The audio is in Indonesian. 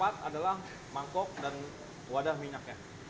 yang keempat adalah mangkok dan wadah minyaknya